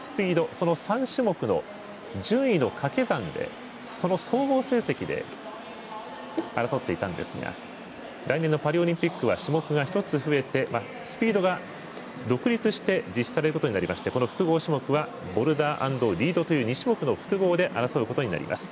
その３種目の順位の掛け算でその総合成績で争っていたんですが来年のパリオリンピックは種目が１つ増えてスピードが独立して実施されることになりましてこの複合種目はボルダー＆リードという２種目の複合で争うということになります。